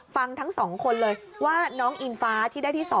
ทั้ง๒คนเลยว่าน้องอิงฟ้าที่ได้ที่๒